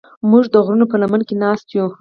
موږ د غرونو په لمنه کې ناست یو.